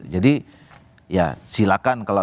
jadi ya silakan kalau